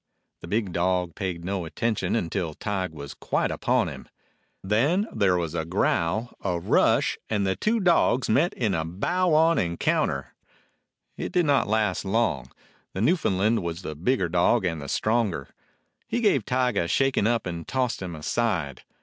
The big dog paid no attention until Tige was quite upon him. Then there was a growl, a rush, and the two dogs met in a bow on encounter. 15 DOG HEROES OF MANY LANDS It did not last long. The Newfoundland was the bigger dog and the stronger. He gave Tige a shaking up and tossed him aside.